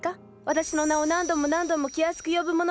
私の名を何度も何度も気安く呼ぶ者は。